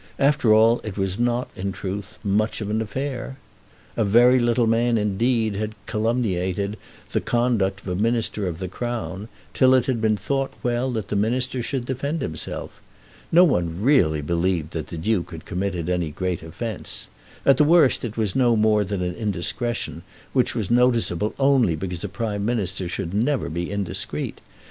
After all it was not, in truth, much of an affair. A very little man indeed had calumniated the conduct of a minister of the Crown, till it had been thought well that the minister should defend himself. No one really believed that the Duke had committed any great offence. At the worst it was no more than indiscretion, which was noticeable only because a Prime Minister should never be indiscreet.